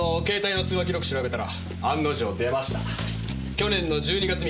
去年の１２月３日。